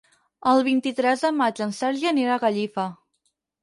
El vint-i-tres de maig en Sergi anirà a Gallifa.